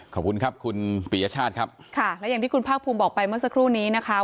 ขอบคุณครับคุณปียชาติครับค่ะและอย่างที่คุณภาคภูมิบอกไปเมื่อสักครู่นี้นะคะ